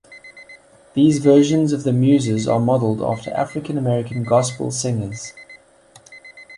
These versions of the Muses are modeled after African American Gospel singers.